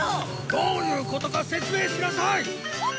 どういうことか説明しなさい！